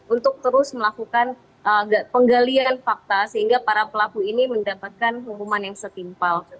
untuk terus melakukan penggalian fakta sehingga para pelaku ini mendapatkan hukuman yang setimpal